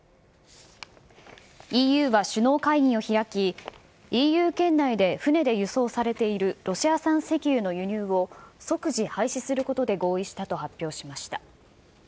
ＥＵは首脳会議を開き、ＥＵ圏内で船で輸送されているロシア産石油の輸入を即時廃止することで合意したと発表しました。